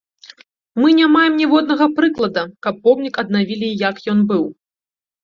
Мы не маем ніводнага прыклада, каб помнік аднавілі як ён быў.